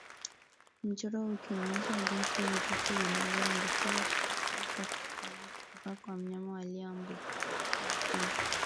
Mchoro Ukionyesha jinsi virusi vinavyoambukizwa kupitia kwa kikohozi kutoka kwa wanyama walioambukizwa